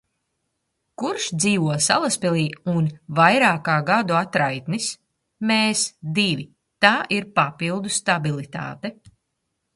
Kurš dzīvo Salaspilī un vairāk kā gadu atraitnis. Mēs—divi, tā ir papildu stabilitāte.